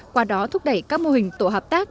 qua đó thúc đẩy các mô hình tổ hợp tác